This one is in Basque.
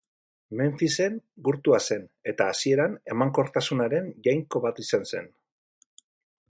Menfisen gurtua zen, eta hasieran emankortasunaren jainko bat izan zen.